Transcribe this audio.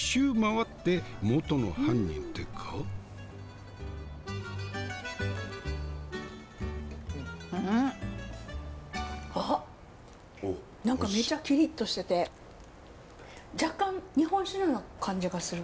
うんあっ何かめちゃキリッとしてて若干日本酒のような感じがする。